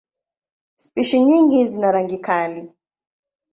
Spishi nyingi zina rangi kali.